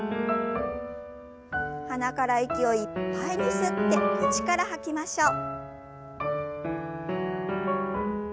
鼻から息をいっぱいに吸って口から吐きましょう。